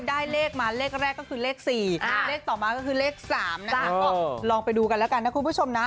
ได้เลขมาเลขแรกก็คือเลข๔เลขต่อมาก็คือเลข๓นะคะก็ลองไปดูกันแล้วกันนะคุณผู้ชมนะ